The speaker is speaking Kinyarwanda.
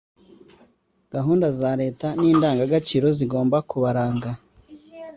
gahunda za leta n'indangagaciro zigomba kubaranga